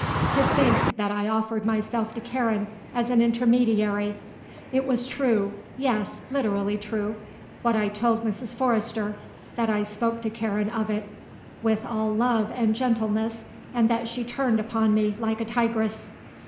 To think that I offered myself to Karen as an intermediary. It was true yes, literally true what I told Mrs. Forrester that I spoke to Karen of it with all love and gentleness and that she turned upon me like a tigress."